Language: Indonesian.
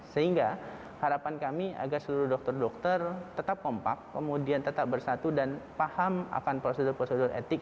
sehingga harapan kami agar seluruh dokter dokter tetap kompak kemudian tetap bersatu dan paham akan prosedur prosedur etik